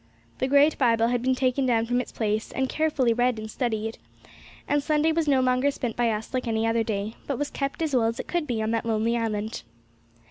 The great Bible had been taken down from its place and carefully read and studied, and Sunday was no longer spent by us like any other day, but was kept as well as it could be on that lonely island.